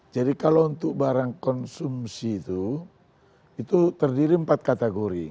jadi kalau untuk barang konsumsi itu itu terdiri empat kategori